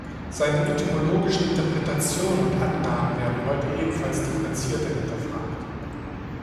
Seine etymologischen Interpretationen und Annahmen werden heute ebenfalls differenzierter hinterfragt.